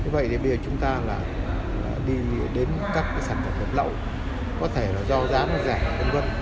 vậy thì bây giờ chúng ta đi đến các sản phẩm hợp lậu có thể là do giá nó rẻ